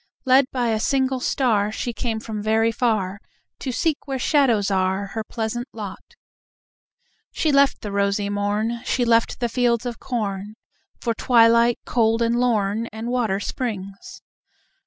Led by a single star, She came from very far To seek where shadows are Her pleasant lot. She left the rosy morn, She left the fields of corn, For twilight cold and lorn And water springs.